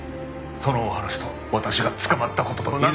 そのお話と私が捕まった事となんの関係が。